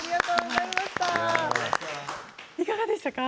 いかがでしたか？